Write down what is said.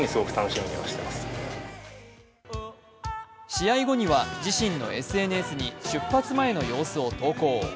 試合後には自身のＳＮＳに出発前の様子を投稿。